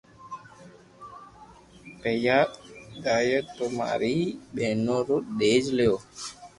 پيئا دآئئي تو ماري ٻينو رو ڌيج ليو